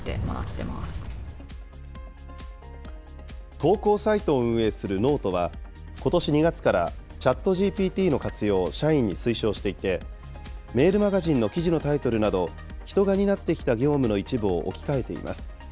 投稿サイトを運営するｎｏｔｅは、ことし２月からＣｈａｔＧＰＴの活用を社員に推奨していて、メールマガジンの記事のタイトルなど、人が担ってきた業務の一部を置き換えています。